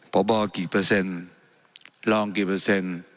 ปกบหลองกิ่ล